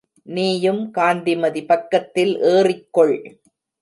நீயும் காந்திமதி பக்கத்தில் ஏறிக்கொள்.